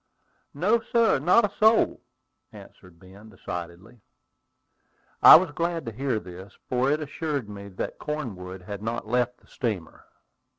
"No, sir, not a soul," answered Ben, decidedly. I was glad to hear this, for it assured me that Cornwood had not left the steamer.